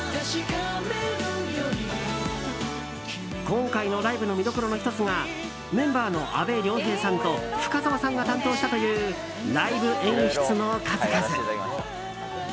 今回のライブの見どころの１つがメンバーの阿部亮平さんと深澤さんが担当したというライブ演出の数々。